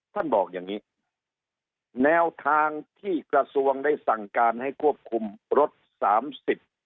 บอกอย่างงี้แนวทางที่กระทรวงได้สั่งการให้ควบคุมรถสามสิบ